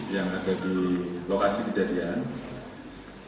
yang ada di lokasi kejadian